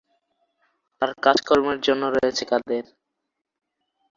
তার কাজ কর্মের জন্য রয়েছে কাদের।